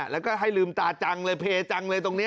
แล้วก็ให้ลืมตาจังเลยเพจังเลยตรงนี้